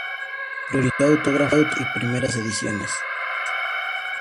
Priorizó autógrafos y primeras ediciones.